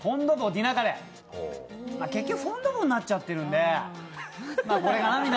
結局、フォン・ド・ボーになっちゃってるので。